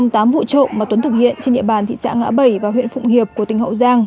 tám vụ trộm mà tuấn thực hiện trên địa bàn thị xã ngã bảy và huyện phụng hiệp của tỉnh hậu giang